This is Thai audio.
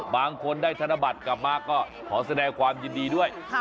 บางคนได้ธนบัตรกลับมาก็ขอแสดงความยินดีด้วย